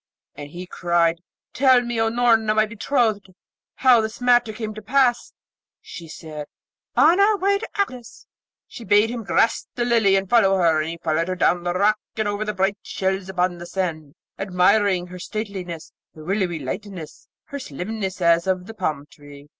And he cried, 'Tell me, O Noorna, my betrothed, how this matter came to pass?' She said, 'On our way to Aklis.' She bade him grasp the Lily, and follow her; and he followed her down the rock and over the bright shells upon the sand, admiring her stateliness, her willowy lightness, her slimness as of the palm tree.